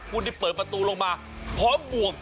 คุณที่เปิดประตูลงมาคิดบวกเลยนะ